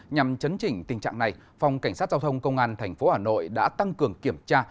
nhằm chấn chỉnh tình trạng này phòng cảnh sát giao thông công an tp hà nội đã tăng cường kiểm tra